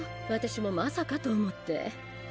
私もまさかと思って。